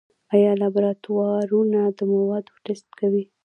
آیا لابراتوارونه د موادو ټسټ کوي؟